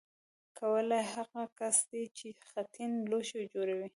کولال هغه کس دی چې خټین لوښي جوړوي